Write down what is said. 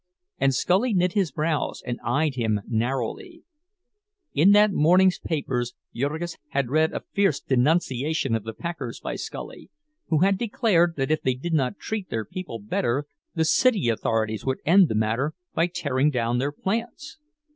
And Scully knit his brows and eyed him narrowly. In that morning's papers Jurgis had read a fierce denunciation of the packers by Scully, who had declared that if they did not treat their people better the city authorities would end the matter by tearing down their plants.